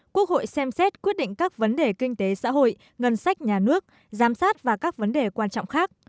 quốc hội xem xét quyết định các vấn đề kinh tế xã hội ngân sách nhà nước giám sát và các vấn đề quan trọng khác